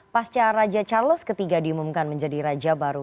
pasca raja charles iii diumumkan menjadi raja baru